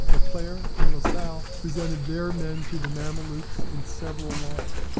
Leclerc and Lasalle presented their men to the Mamelukes in several lines.